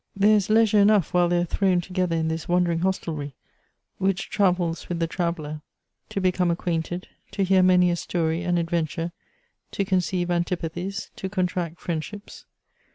There is leisure enough while they are thrown together in this wandering hostelry, which travels with the traveller, to become acquainted, to hear many a story and adventure, to conceive antipathies, to contract friendslups.